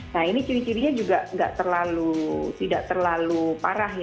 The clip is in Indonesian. nah ini ciri cirinya juga tidak terlalu parah ya